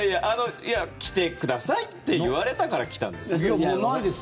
来てくださいって言われたから来たんです。